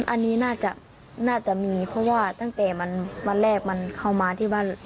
อันนี้น่าจะน่าจะมีเพราะว่าตั้งแต่มันวันแรกมันเข้ามาที่บ้าน